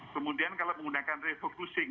kemudian kalau menggunakan refocusing